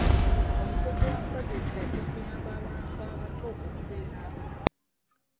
Omukungu wa pulojekiti ajja kuyamba abantu abato okubeera abalamu.